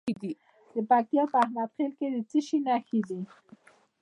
د پکتیا په احمد خیل کې د څه شي نښې دي؟